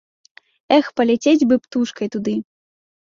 Эх, паляцець бы птушкай туды!